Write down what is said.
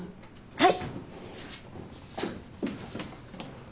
はい。